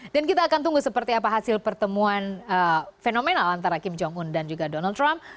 dan kita akan tunggu seperti apa hasil pertemuan fenomenal antara kim jong un dan juga donald trump